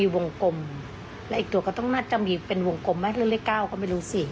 วงกลมและอีกตัวก็ต้องน่าจะมีเป็นวงกลมไหมหรือเลขเก้าก็ไม่รู้สิ